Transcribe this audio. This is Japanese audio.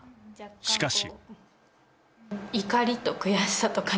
しかし。